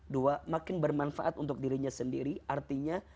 dua makin bermanfaat untuk dirinya sendiri artinya